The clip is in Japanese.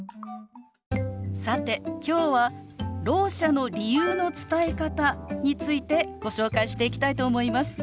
さて今日はろう者の理由の伝え方についてご紹介していきたいと思います。